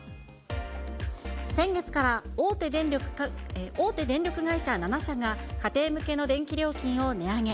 先月から大手電力会社７社が家庭向けの電気料金を値上げ。